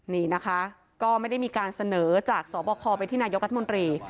นี่นะคะก็ไม่ได้มีการเสนอจากสบคไปที่นายกรัฐมนตรี